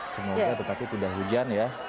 semoga tetapi tidak hujan ya